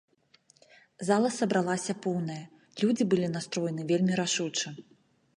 Зала сабралася поўная, людзі былі настроены вельмі рашуча.